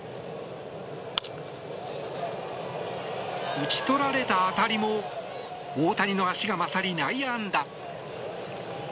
打ち取られた当たりも大谷の足が勝り内野安打。